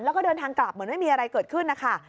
แล้วก็เดินทางกลับเหมือนไม่มีอะไรเกิดขึ้นนะคะ